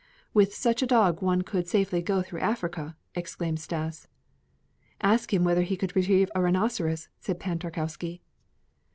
"With such a dog one could safely go through Africa," exclaimed Stas. "Ask him whether he could retrieve a rhinoceros," said Pan Tarkowski.